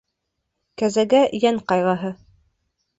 Кәзәгә йән ҡайғыһы.